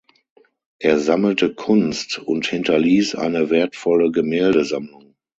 Er sammelte Kunst und hinterließ eine wertvolle Gemäldesammlung.